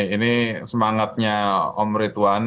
ini semangatnya om retuan